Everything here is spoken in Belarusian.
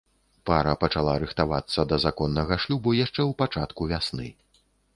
Пара пачала рыхтавацца да законнага шлюбу яшчэ ў пачатку вясны.